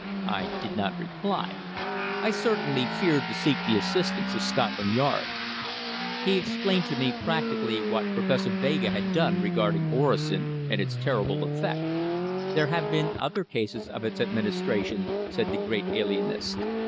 I did not reply. I certainly feared to seek the assistance of Scotland Yard. He explained to me practically what Professor Vega had done regarding orosin and its terrible effect. "There have been other cases of its administration," said the great alienist.